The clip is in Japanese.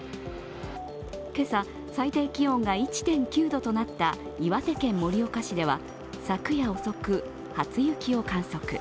今朝、最低気温が１．９度となった岩手県盛岡市では昨夜遅く、初雪を観測。